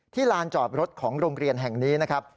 ลานจอดรถของโรงเรียนแห่งนี้นะครับ